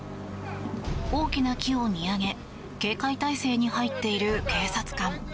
大きな木を見上げ警戒態勢に入っている警察官。